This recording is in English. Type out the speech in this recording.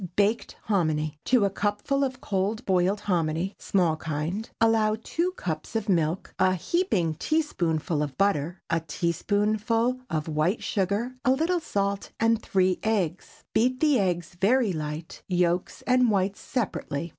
BAKED HOMINY. ✠ To a cupful of cold boiled hominy (small kind) allow two cups of milk, a heaping teaspoonful of butter, a teaspoonful of white sugar, a little salt, and three eggs. Beat the eggs very light, yolks and whites separately.